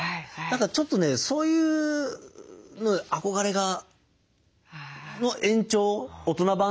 何かちょっとねそういう憧れがの延長大人版がそれ